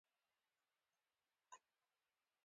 کور د ځان لپاره غوره ځای دی.